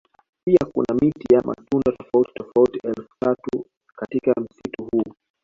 Pia kuna miti ya matunda tofauti tofauti elfu tatu katika msitu huo